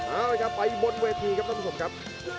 เอาละครับไปบนเวทีครับท่านผู้ชมครับ